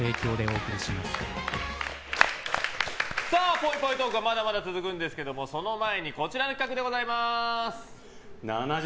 ぽいぽいトークはまだまだ続くんですけれどもその前にこちらの企画でございます。